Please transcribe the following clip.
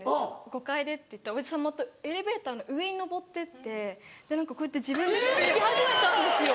「５階で」って言ったらおじさんまたエレベーターの上に登ってってで何かこうやって自分で引き始めたんですよ。